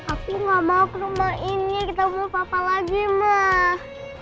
aku gak mau ke rumah ini ketemu papa lagi mah